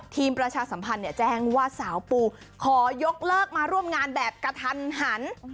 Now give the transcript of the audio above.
ประชาสัมพันธ์แจ้งว่าสาวปูขอยกเลิกมาร่วมงานแบบกระทันหัน